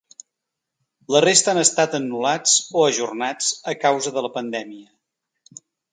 La resta han estat anul·lats o ajornats, a causa de la pandèmia.